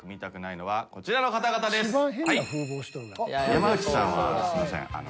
山内さんはすいません。